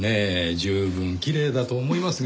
十分きれいだと思いますが。